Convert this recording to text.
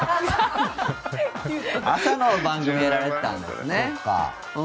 朝の番組やられてたんですね。